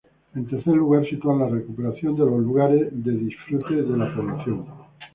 En tercer lugar sitúan la recuperación de los lugares de disfrute de la población.